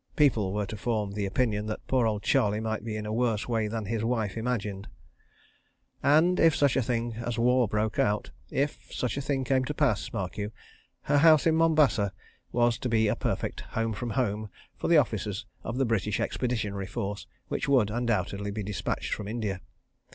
People were to form the opinion that poor old Charlie might be in a worse way than his wife imagined. And if such a thing as war broke out; if such a thing came to pass, mark you; her house in Mombasa was to be a perfect Home from Home for the officers of the British Expeditionary Force which would undoubtedly be dispatched from India.